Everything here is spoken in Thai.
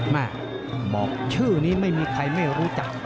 แม่บอกชื่อนี้ไม่มีใครไม่รู้จัก